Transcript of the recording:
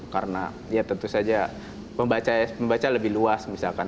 karena ya tentu saja pembaca lebih luas misalkan